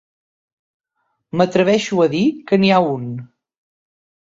M'atreveixo a dir que n'hi ha un.